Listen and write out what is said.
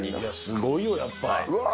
すごいよ、やっぱ。